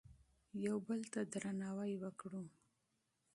یو بل ته درناوی وکړو.